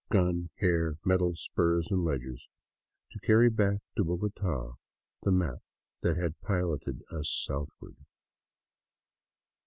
gun, hair, medals, spurs and ledgers, to carry back to Bogota the map that had piloted us southward.